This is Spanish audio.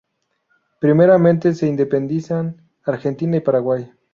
Primeramente se independizan Argentina y Paraguay.